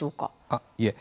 あっいえ